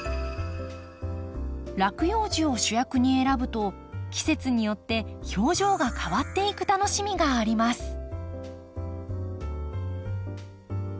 落葉樹を主役に選ぶと季節によって表情が変わっていく楽しみがあります。